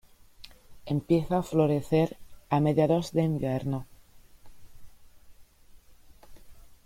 Empieza a florecer a mediados de invierno.